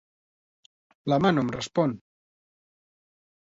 La mà no em respon.